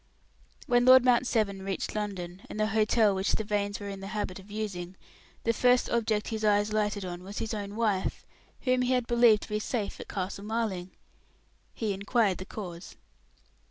When Lord Mount Severn reached London, and the hotel which the Vanes were in the habit of using, the first object his eyes lighted on was his own wife, whom he had believed to be safe at Castle Marling. He inquired the cause.